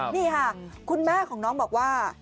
นี่ค่ะคุณแม่ของน้องบอกว่า